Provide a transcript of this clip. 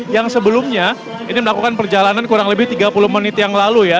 yang sebelumnya ini melakukan perjalanan kurang lebih tiga puluh menit yang lalu ya